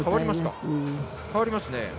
代わりますね。